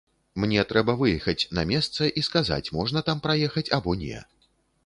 Мне трэба выехаць на месца і сказаць можна там праехаць або не.